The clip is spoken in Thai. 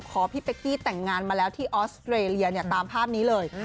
พี่เป๊กกี้แต่งงานมาแล้วที่ออสเตรเลียเนี่ยตามภาพนี้เลย